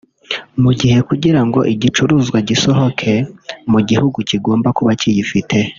mu gihe kugira ngo igicuruzwa gisohoke mu gihugu kigomba kuba kiyifite